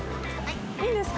いいんですか？